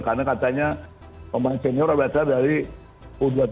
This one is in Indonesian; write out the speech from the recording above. karena katanya pemain senior berasal dari u dua puluh tiga